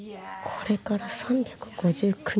これから３５９日